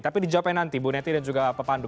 tapi dijawabkan nanti bu neti dan juga pak pandu